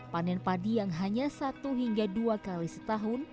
panen padi yang hanya satu hingga dua kali setahun